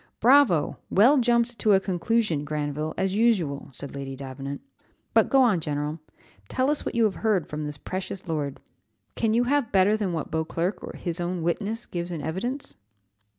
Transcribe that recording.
"Bravo! well jumped to a conclusion, Granville, as usual," said Lady Davenant, "But go on, general, tell us what you have heard from this precious lord; can you have better than what Beauclerc, his own witness, gives in evidence?"